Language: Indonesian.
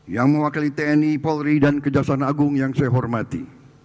yang mewakili tni polri dan kejaksaan agung yang saya hormati